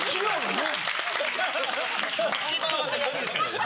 一番分かりやすいですよ。